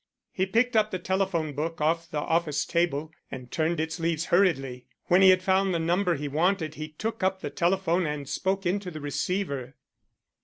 He picked up the telephone book off the office table, and turned its leaves hurriedly. When he had found the number he wanted he took up the telephone and spoke into the receiver.